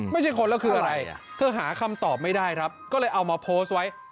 ไม่ใช่คนแล้วคืออะไรเธอหาคำตอบไม่ได้ครับก็เลยเอามาโพสต์ไว้